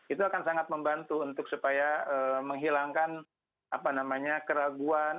itu akan sangat membantu untuk supaya menghilangkan keraguan